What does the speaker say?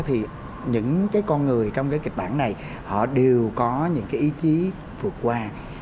thì những cái con người trong cái kịch bản này họ đều có những cái ý chí vượt qua